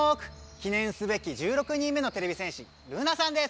記ねんすべき１６人目のてれび戦士ルナさんです！